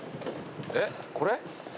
えっこれ？